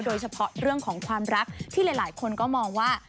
โดยเฉพาะเรื่องของความรักที่หลายคนก็มองว่า